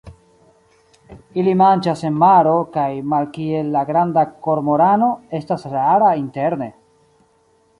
Ili manĝas en maro, kaj, malkiel la Granda kormorano, estas rara interne.